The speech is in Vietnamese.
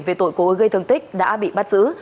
về tội cố gây thương tích đã bị bắt giữ